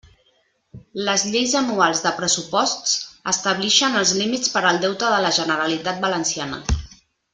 Les lleis anuals de pressuposts establixen els límits per al Deute de la Generalitat Valenciana.